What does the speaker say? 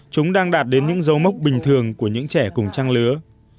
chúng đang đạt đến những dấu mốc bình thường của những trẻ cùng trang lứa